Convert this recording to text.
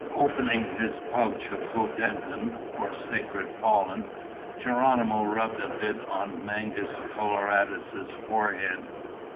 Opening his pouch of hoddentin, or sacred pollen, Geronimo rubbed a bit on Mangus Coloradus' forehead.